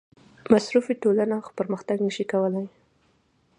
مصرفي ټولنه پرمختګ نشي کولی.